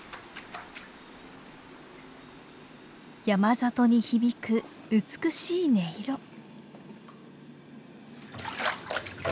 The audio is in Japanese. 山里に響く美しい音色。